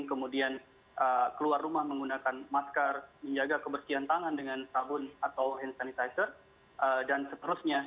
kemudian keluar rumah menggunakan masker menjaga kebersihan tangan dengan sabun atau hand sanitizer dan seterusnya